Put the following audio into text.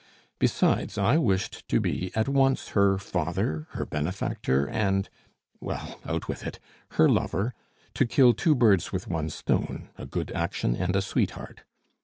Besides, I wished to be at once her father, her benefactor, and well, out with it her lover; to kill two birds with one stone, a good action and a sweetheart.